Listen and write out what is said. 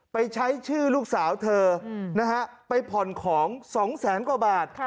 ไปใช้ชื่อลูกสาวเธอนะฮะไปผ่อนของ๒แสนกว่าบาท